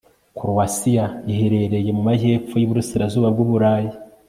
korowasiya iherereye mu majyepfo y'iburasirazuba bw'uburayi